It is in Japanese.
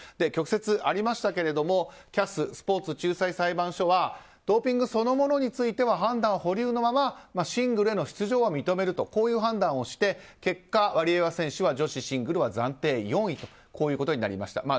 曲折ありましたがＣＡＳ・スポーツ仲裁裁判所はドーピングそのものについては判断保留のままシングルへの出場は認めるという判断をして結果、ワリエワ選手は女子シングルは暫定４位となりました。